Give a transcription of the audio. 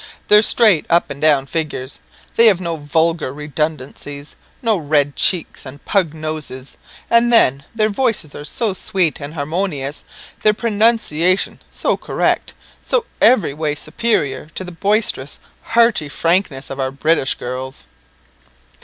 "Their straight up and down figures. They have no vulgar redundancies no red cheeks and pug noses; and then their voices are so sweet and harmonious, their pronunciation so correct, so every way superior to the boisterous, hearty frankness of our British girls!"